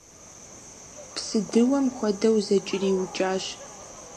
Псыдыуэм хуэдэу зыкӏэриукӏащ.